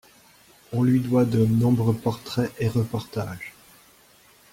On lui doit de nombreux portraits et reportages.